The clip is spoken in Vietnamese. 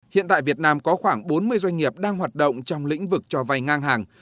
hiện tại việt nam có khoảng bốn mươi doanh nghiệp đang hoạt động trong lĩnh vực cho vay ngang hàng